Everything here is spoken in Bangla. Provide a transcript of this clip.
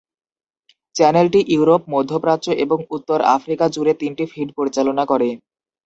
চ্যানেলটি ইউরোপ, মধ্যপ্রাচ্য এবং উত্তর আফ্রিকা জুড়ে তিনটি ফিড পরিচালনা করে।